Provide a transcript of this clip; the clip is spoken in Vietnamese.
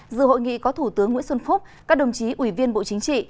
dự hội nghị có thủ tướng nguyễn xuân phúc các đồng chí ủy viên bộ chính trị